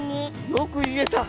よく言えた！